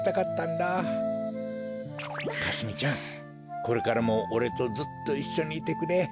これからもおれとずっといっしょにいてくれ。